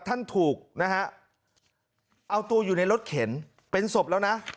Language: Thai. ท่านถูกนะฮะเอาตัวอยู่ในรถเข็นเป็นศพแล้วนะ